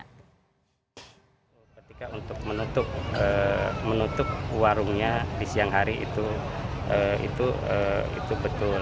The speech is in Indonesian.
ketika untuk menutup warungnya di siang hari itu betul